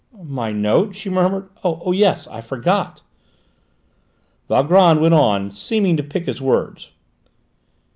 "My note?" she murmured. "Oh, yes; I forgot!" Valgrand went on, seeming to pick his words.